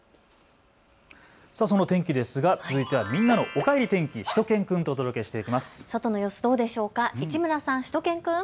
その天気ですが、続いてはみんなのおかえり天気、しゅと犬くんとお届けしていきます。